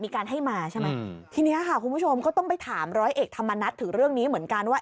๓คลิปเต็ม